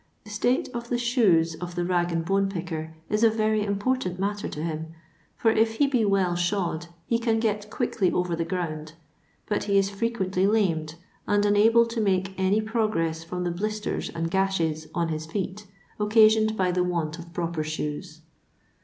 The state of the shoes of the rag and bone picker is a very import ant matter to him ; for if he be well shod he can get quickly over the ground ; but he is frequently lamed, and unable to make any progress from the blisters and gashes on his feet, occasioned by the want of proper shoes.